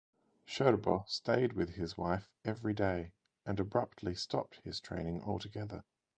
Scherbo stayed with his wife every day, and abruptly stopped his training altogether.